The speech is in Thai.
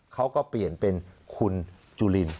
เขาก็เปลี่ยนเป็นคุณจุลิน